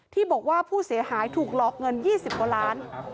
ที่บอกว่าผู้เสียหายถูกหลอกเงิน๒๐กว่าล้าน